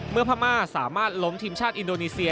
พม่าสามารถล้มทีมชาติอินโดนีเซีย